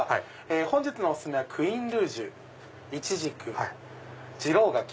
本日のお薦めはクイーンルージュイチジク次郎柿。